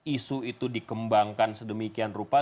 isu itu dikembangkan sedemikian rupa